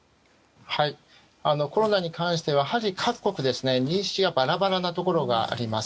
コロナに関してはやはり各国、認識がバラバラなところがあります。